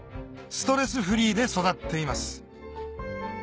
ストレスフリーで育っています